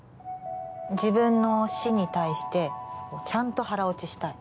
自分の死に対してちゃんと腹落ちしたい。